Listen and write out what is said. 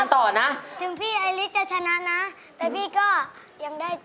ยังได้ใจหนูเร็วครับ